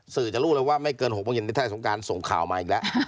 จะรู้เลยว่าไม่เกิน๖โมงเย็นที่ท่านสงการส่งข่าวมาอีกแล้ว